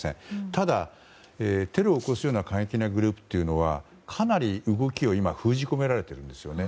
ただ、テロを起こすような過激なグループというのはかなり動きを今封じ込められているんですね。